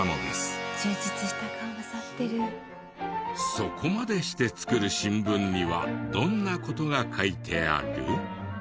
そこまでして作る新聞にはどんな事が描いてある？